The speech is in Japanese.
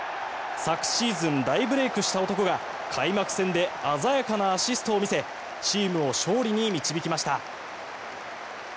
昨シーズン大ブレークした男が開幕戦で鮮やかなアシストを見せチームを勝利に導きました。